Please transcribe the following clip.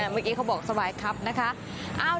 เมื่อกี้เขาบอกสบายครับนะคะ